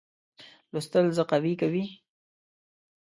لوستل زه قوي کوي.